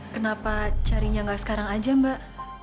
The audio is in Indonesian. kenapa carinya tidak sekarang saja mbak